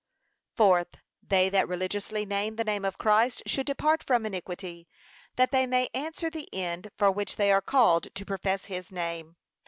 Fourth, They that religiously name the name of Christ should depart from iniquity, that they may answer the end for which they are called to profess his name.